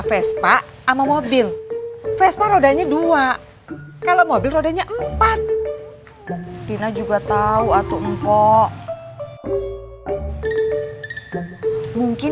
vespa ama mobil vespa rodanya dua kalau mobil rodanya empat tina juga tahu atuh empok mungkin